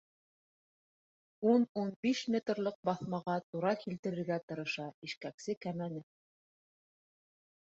Ун-ун биш метрлыҡ баҫмаға тура килтерергә тырыша ишкәксе кәмәне.